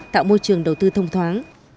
tạo môi trường đầu tư thông thoáng